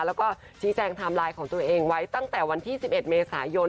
แล้วก็ชี้แจงไทม์ไลน์ของตัวเองไว้ตั้งแต่วันที่๑๑เมษายน